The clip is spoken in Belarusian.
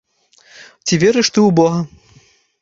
Ці верыш ты ў бога?